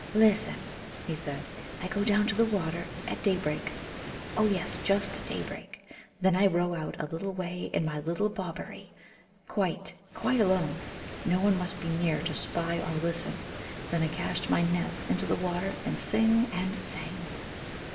"Listen," he said. "I go down to the water at daybreak; oh yes, just at daybreak. Then I row out a little way in my little Bobberie, quite, quite alone no one must be near to spy or listen; then I cast my nets into the water and sing and sing."